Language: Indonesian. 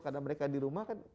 karena mereka di rumah kan